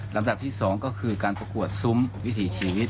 ลำดับที่๒ก็คือการประกวดซุ้มวิถีชีวิต